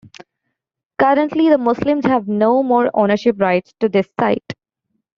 Currently the Muslims have no more ownership rights to this site.